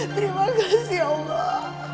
terima kasih ya allah